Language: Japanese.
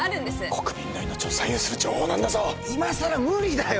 国民の命を左右する情報なんだぞ今更無理だよ！